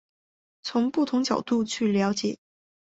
从不同角度去了解